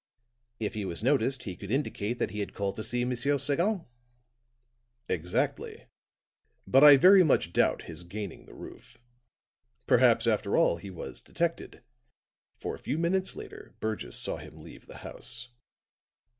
"If he was noticed, he could indicate that he had called to see M. Sagon." "Exactly. But I very much doubt his gaining the roof. Perhaps, after all, he was detected; for a few minutes later Burgess saw him leave the house."